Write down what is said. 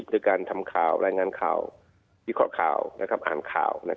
ประกอบด้วยการทำค่าวไลงานคาววิคอร์ข่าวอ่านค่าว